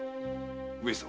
上様